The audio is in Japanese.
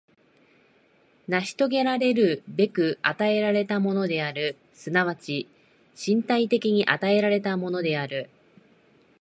成し遂げらるべく与えられたものである、即ち身体的に与えられたものである。